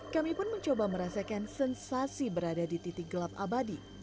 kami pun mencoba merasakan sensasi berada di titik gelap abadi